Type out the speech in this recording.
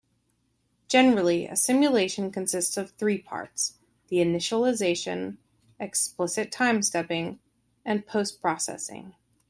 Generally, a simulation consists of three parts: the initialization, explicit time-stepping, and post-processing.